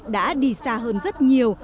đã đi xa hơn rất nhiều